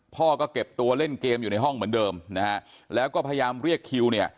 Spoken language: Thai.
พ่อก็เก็บตัวเล่นเกมอยู่ในห้องเหมือนเดิมนะฮะแล้วก็พยายามเรียกคิวเนี่ย